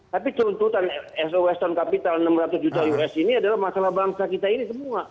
tapi tuntutan so westone capital enam ratus juta us ini adalah masalah bangsa kita ini semua